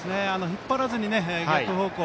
引っ張らずに逆方向